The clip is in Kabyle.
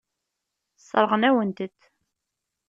Sseṛɣen-awen-tent.